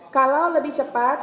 kalau lebih cepat